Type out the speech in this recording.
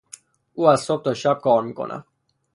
او از صبح تا شب کار می کند.